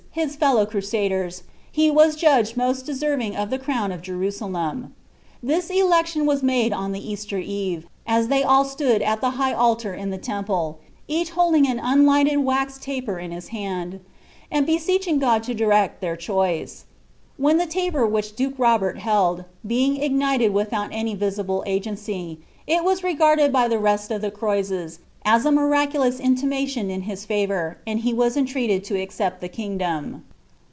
his fellow crusaders, he was judged most deserving of the cronu of JerUBOleni.' This eleclion was wade on the Easler evc, as tltey all stood U the high altar io the temple, each holding an unlighted wax lopetil his hand, and beseeching God to direct their choice ; when llie t^ which duke Robert held, becoming ignited without any visible AgsOfFi it was regarded by the rest of the Croises as a miiaculous inliioatioa ■ bis favour, and he was entreated to accept the kingdom.'